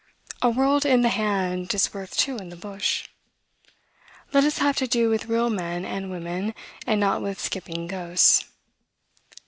A world in the hand is worth two in the bush. Let us have to do with real men and women, and not with skipping ghosts.